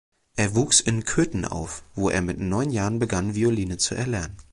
Er wuchs in Köthen auf, wo er mit neun Jahren begann Violine zu erlernen.